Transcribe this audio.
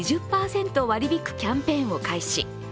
割り引くキャンペーンを開始。